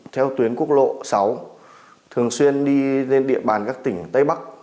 theo tuyến quốc lộ sáu thường xuyên đi trên địa bàn các tỉnh tây bắc